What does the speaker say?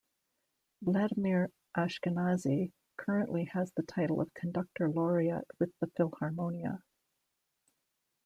Vladimir Ashkenazy currently has the title of conductor laureate with the Philharmonia.